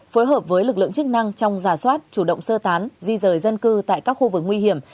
phối hợp với lực lượng chức năng trong giả soát chủ động sơ tán di rời dân cư tại các khu vực nguy hiểm